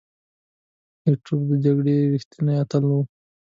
ایټور د جګړې یو ریښتینی اتل وو.